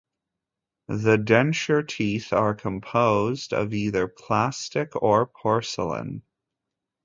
The denture teeth are composed of either plastic or porcelain.